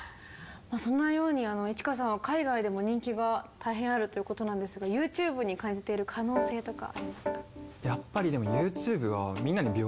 そんなようにｉｃｈｉｋａさんは海外でも人気が大変あるということなんですがＹｏｕＴｕｂｅに感じている可能性とかありますか？